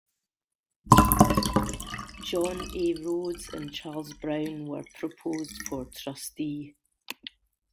John A. Rhodes and Charles Brown were proposed for trustee.